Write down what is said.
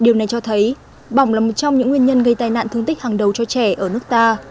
điều này cho thấy bỏng là một trong những nguyên nhân gây tai nạn thương tích hàng đầu cho trẻ ở nước ta